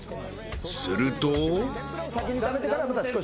［すると］